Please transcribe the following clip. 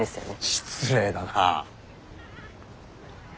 失礼だな！